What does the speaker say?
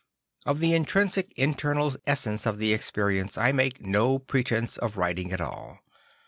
Of the intrinsic internal essence of the experience I make no pretence of writing at all.